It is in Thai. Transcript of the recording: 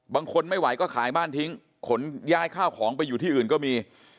บางคนไม่ไหวก็ขายบ้านทิ้งขนย้ายข้าวของไปอยู่ที่อื่นก็มี